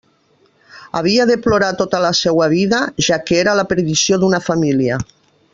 Havia de plorar tota la seua vida, ja que era la perdició d'una família.